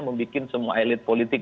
membuat semua elit politik